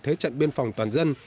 thế trận biên phòng toàn dân